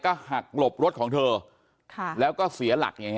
ก็หักหลบรถของเธอค่ะแล้วก็เสียหลักอย่างนี้